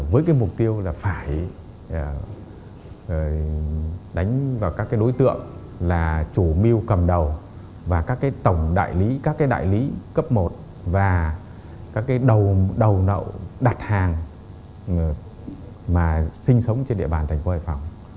với cái mục tiêu là phải đánh vào các cái đối tượng là chủ mưu cầm đầu và các cái tổng đại lý các cái đại lý cấp một và các cái đầu đầu đặt hàng mà sinh sống trên địa bàn thành phố hải phòng